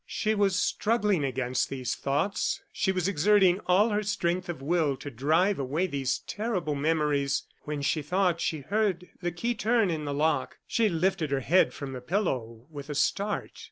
She was struggling against these thoughts; she was exerting all her strength of will to drive away these terrible memories, when she thought she heard the key turn in the lock. She lifted her head from the pillow with a start.